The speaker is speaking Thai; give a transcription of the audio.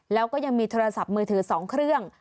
แล้วก็ยังมีโทรศัพท์มือถือ๒เครื่อง